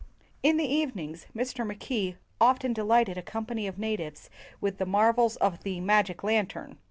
In the evenings Mr. Mackay often de lighted a company of natives with the mar vels of the magic lantern.